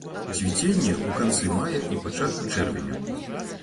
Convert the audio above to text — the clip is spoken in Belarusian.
Цвіценне ў канцы мая і пачатку чэрвеня.